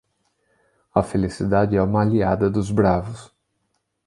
A felicidade é uma aliada dos bravos.